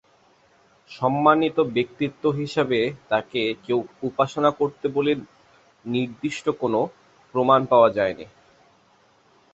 সম্মানিত ব্যক্তিত্ব হিসাবে তাঁকে কেউ উপাসনা করতো বলে নির্দিষ্ট কোনও প্রমাণ পাওয়া যায়নি।